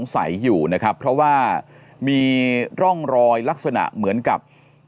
มันก็น่าสงสัยอยู่นะครับเพราะว่ามีร่องรอยลักษณะเหมือนกับ